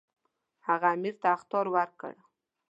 هغه امیر ته اخطار ورکړ.